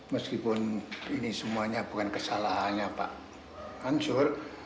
meskipun ini semuanya bukan kesalahannya pak ansur